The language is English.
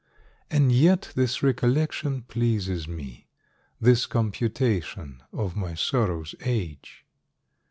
And yet this recollection pleases me, This computation of my sorrow's age.